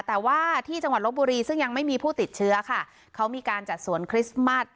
แต่ว่าที่จังหวัดลบบุรีซึ่งยังไม่มีผู้ติดเชื้อค่ะเขามีการจัดสวนคริสต์มัส